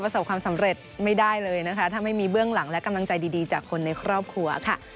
ถ้าไม่มีเบื้องหลังและกำลังใจดีจากคนในครอบครัวค่ะ